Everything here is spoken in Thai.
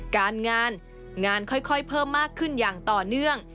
การงานงานค่อยเพิ่มมากขึ้นอย่างต่อเนื่อง